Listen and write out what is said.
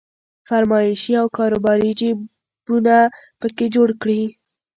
فرمایشي او کاروباري جيبونه په کې جوړ کړي.